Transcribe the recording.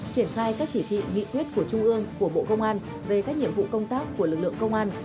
triển khai các chỉ thị nghị quyết của trung ương của bộ công an về các nhiệm vụ công tác của lực lượng công an